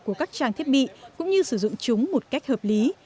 của các trang thiết bị cũng như sử dụng chúng một cách hợp lý